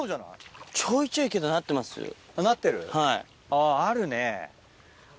あっあるね。